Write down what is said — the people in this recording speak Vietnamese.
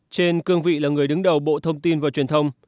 trên cương vị là người đứng đầu bộ thông tin và truyền thông